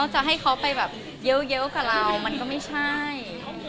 จะให้เขาไปแบบเยอะกับเรามันก็ไม่ใช่